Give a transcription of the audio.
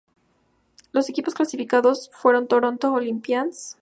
Los equipos clasificados fueron Toronto Olympians, St.